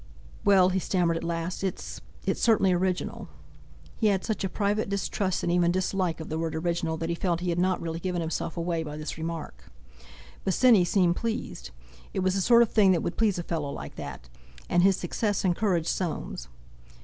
"Well," he stammered at last, "it's—it's, certainly original." He had such a private distrust and even dislike of the word "original" that he felt he had not really given himself away by this remark. Bosinney seemed pleased. It was the sort of thing that would please a fellow like that! And his success encouraged Soames.